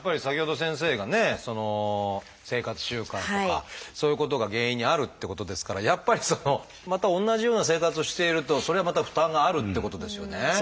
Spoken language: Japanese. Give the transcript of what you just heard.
先ほど先生がね生活習慣とかそういうことが原因にあるってことですからやっぱりまた同じような生活をしているとそれはまた負担があるってことですよね。